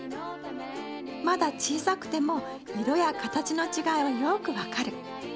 まだ小さくても色や形の違いはよく分かる。